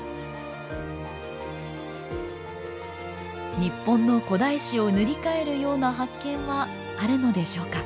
日本の古代史を塗り替えるような発見はあるのでしょうか？